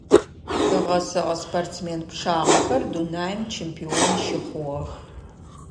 Ыгъэсэгъэ спортсмен пчъагъэхэр дунаим чемпион щыхъугъэх.